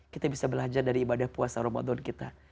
kita bisa belajar dari ibadah puasa ramadan kita